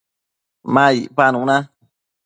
ma icpanu na